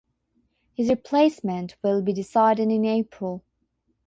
His replacement will be decided in April.